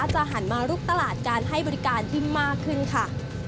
จะหันมาลุกตลาดการให้บริการที่มากขึ้นค่ะ